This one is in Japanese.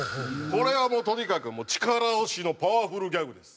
これはとにかく力押しのパワフルギャグです。